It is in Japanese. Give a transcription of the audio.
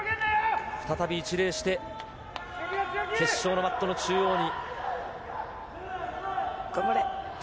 再び一礼して決勝のマットの中央に。